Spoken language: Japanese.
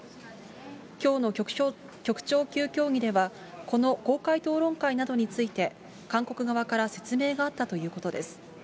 きょうの局長級協議では、この公開討論会などについて、韓国側から説明があったということです。